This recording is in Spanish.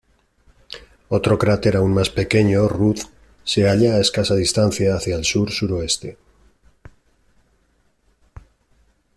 Otro cráter aún más pequeño, Ruth se halla a escasa distancia hacia el sur-suroeste.